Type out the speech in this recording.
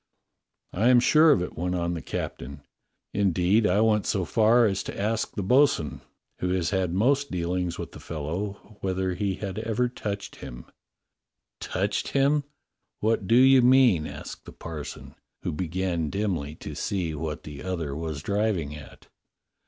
"I am sure of it," went on the captain. "Indeed, I 152 DOCTOR SYN went so far as to ask the bo'sun, who has had most deahngs with the fellow, whether he had ever touched him." ''Touched him? What do you mean?" asked the parson, who began dimly to see what the other was driving at.